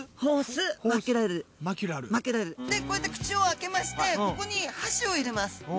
でこうやって口を開けましてここに箸を入れます。